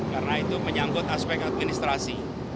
karena itu menyangkut aspek administrasi